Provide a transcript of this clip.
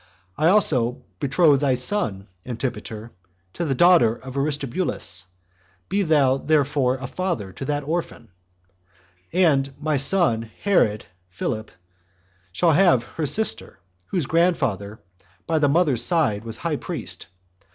I also betroth to thy son, Antipater, the daughter of Aristobulus; be thou therefore a father to that orphan; and my son Herod [Philip] shall have her sister, whose grandfather, by the mother's side, was high priest.